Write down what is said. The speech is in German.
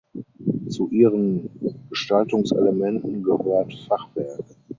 Zu ihren Gestaltungselementen gehört Fachwerk.